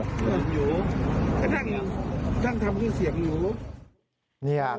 นั่งทำเครื่องเสียงอยู่